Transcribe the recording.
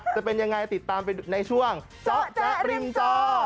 จะเป็นยังไงติดตามในช่วงเจาะแจ๊ะริมจอ